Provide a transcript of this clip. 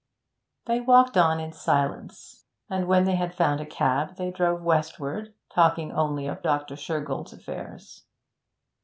They walked on in silence, and when they had found a cab they drove westward, talking only of Dr. Shergold's affairs.